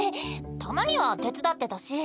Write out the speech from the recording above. たまには手伝ってたし。